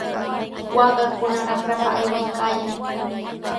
Waakakuna raqrapa aywaykaayan.